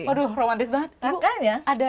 aduh romantis banget